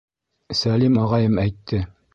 — Сәлим ағайым әйтте!